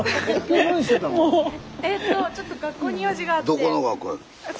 えとちょっと学校に用事があって。